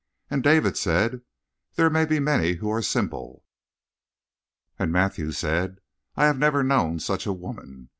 "And David said: 'There may be many who are simple.' "And Matthew said: 'I have never known such a woman.